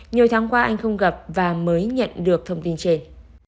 nhiều tháng qua anh không gặp và mới nhận được thông tin trên